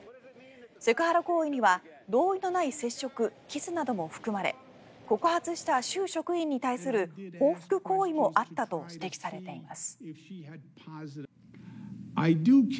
セクハラ行為には同意のない接触やキスも含まれ告発した州職員に対する報復行為もあったと指摘されています。